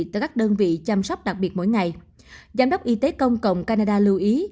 tới các đơn vị chăm sóc đặc biệt mỗi ngày giám đốc y tế công cộng canada lưu ý